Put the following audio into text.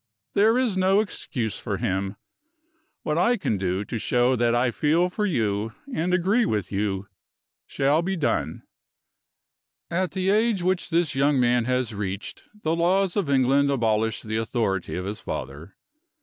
There is no excuse for him. What I can do to show that I feel for you, and agree with you, shall be done. At the age which this young man has reached, the laws of England abolish the authority of his father.